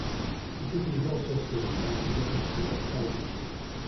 The city is also served by Brazosport College.